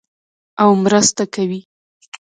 او مرسته کوي.